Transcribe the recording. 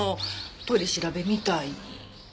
取り調べみたいに。